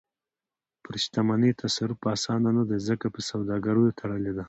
پر شتمنۍ تصرف اسانه نه دی، ځکه په سوداګریو تړلې ده.